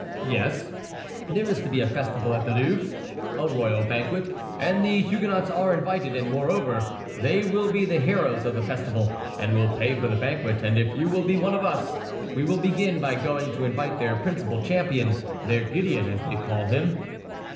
"Yes, there is to be a festival at the Louvre—a royal banquet; and the Huguenots are invited; and moreover, they will be the heroes of the festival, and will pay for the banquet, and if you will be one of us, we will begin by going to invite their principal champion—their Gideon, as they call him."